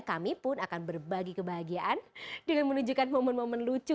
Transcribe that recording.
kami pun akan berbagi kebahagiaan dengan menunjukkan momen momen lucu